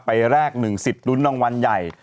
แรก๑สิทธิ์ลุ้นรางวัลใหญ่